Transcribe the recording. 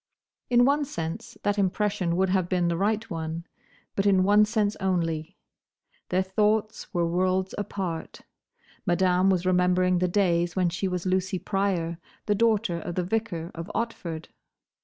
In one sense that impression would have been the right one; but in one sense only. Their thoughts were worlds apart. Madame was remembering the days when she was Lucy Pryor, the daughter of the vicar of Otford.